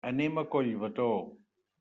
Anem a Collbató.